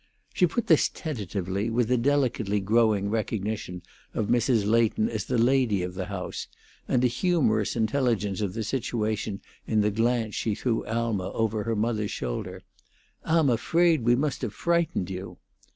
She put this tentatively, with a delicately growing recognition of Mrs. Leighton as the lady of the house, and a humorous intelligence of the situation in the glance she threw Alma over her mother's shoulder. "Ah'm afraid we most have frightened you."